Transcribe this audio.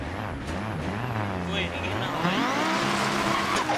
ڪوئي ريه نا هوئي